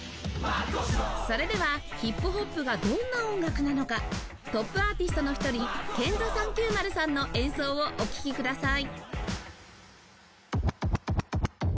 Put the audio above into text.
それではヒップホップがどんな音楽なのかトップアーティストの一人 ＫＥＮＴＨＥ３９０ さんの演奏をお聴きください